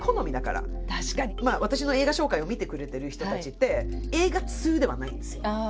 だって私の映画紹介を見てくれてる人たちって映画通ではないんですよ。